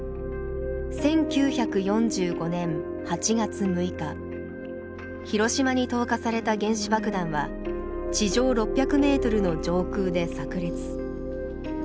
１９４５年８月６日広島に投下された原子爆弾は地上６００ｍの上空でさくれつ。